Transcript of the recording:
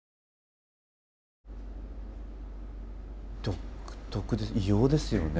独特異様ですよね